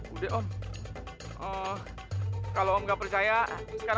bukan pengen perkosa lo